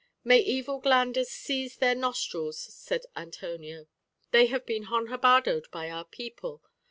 "May evil glanders seize their nostrils," said Antonio: "they have been jonjabadoed by our people.